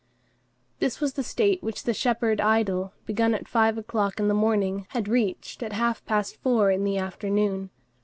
This was the state which the shepherd idyl, begun at five o'clock in the morning, had reached at half past four in the afternoon.